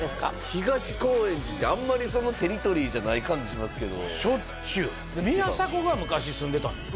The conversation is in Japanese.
東高円寺ってあんまりテリトリーじゃない感じしますけどしょっちゅう宮迫が昔住んでたんよ